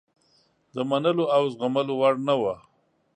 د منلو او زغملو وړ نه وه.